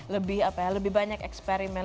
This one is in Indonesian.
lebih apa ya lebih banyak eksperimen